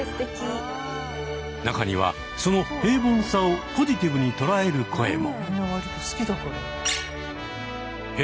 中にはその平凡さをポジティブに捉える声も。